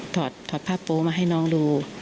ถอดผ้าโป๊มาให้น้องดู